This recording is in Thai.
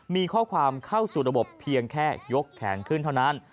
มีข้อความเข้าสู่ระบบเพียงแค่ยกแขนขึ้นเท่านั้น